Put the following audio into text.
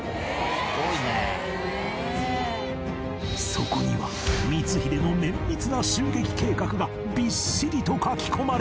そこには光秀の綿密な襲撃計画がびっしりと書き込まれていた